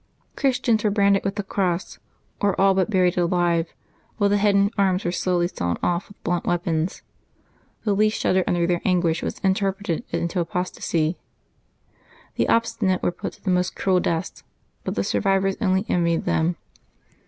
Christians were branded with the cross, or all but buried alive, while the head and arms were slowly sawn off with blunt weapons. The least shudder under their an guish was interpreted into apostasy. Tlie obstinate were put to the most cruel deaths, but the survivors only envied them.